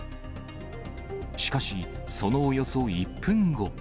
しかし、そのおよそ１分後。